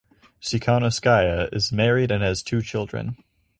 Tsikhanouskaya is married and has two children.